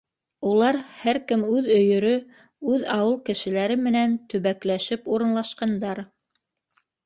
Улар һәр кем үҙ өйөрө, үҙ ауыл кешеләре менән төбәкләшеп урынлашҡандар.